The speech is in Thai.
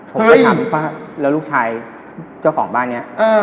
ผมไปถามแล้วลูกชายเจ้าของบ้านเนี้ย